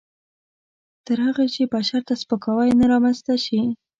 تر هغه چې بشر ته سپکاوی نه رامنځته شي.